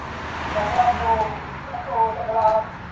বিল্বন কহিলেন, অধিক বুঝিবার আবশ্যক কী।